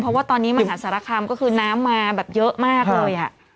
เพราะว่าตอนนี้มหาสารคามก็คือน้ำมาแบบเยอะมากเลย